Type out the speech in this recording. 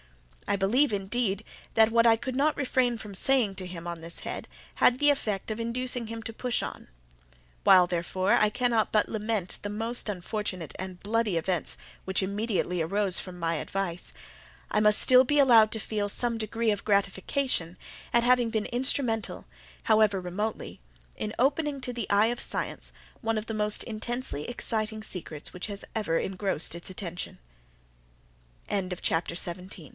I believe, indeed, that what I could not refrain from saying to him on this head had the effect of inducing him to push on. While, therefore, I cannot but lament the most unfortunate and bloody events which immediately arose from my advice, I must still be allowed to feel some degree of gratification at having been instrumental, however remotely, in opening to the eye of science one of the most intensely exciting secrets which has ever engrossed its attention. CHAPTER 18 January 18.